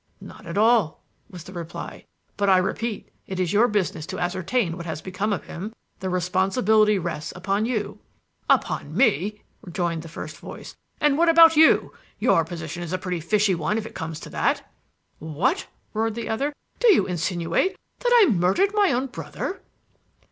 "Not at all," was the reply; "but I repeat that it is your business to ascertain what has become of him. The responsibility rests upon you." "Upon me!" rejoined the first voice. "And what about you? Your position is a pretty fishy one if it comes to that." "What!" roared the other. "Do you insinuate that I murdered my own brother?"